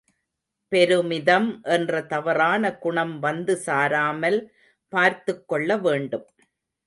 பெருமிதம் என்ற தவறான குணம் வந்து சாராமல் பார்த்துக் கொள்ளவேண்டும்.